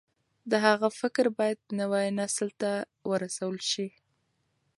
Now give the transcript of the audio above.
د هغه فکر بايد نوي نسل ته ورسول شي.